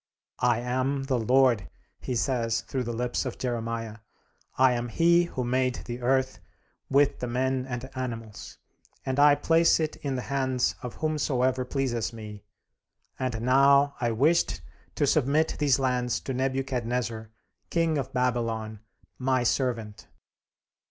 "I am the Lord," he says through the lips of Jeremiah; "I am he who made the earth, with the men and animals; and I place it in the hands of whomsoever pleases me; and now I wished to submit these lands to Nebuchadnezzar, King of Babylon, my servant."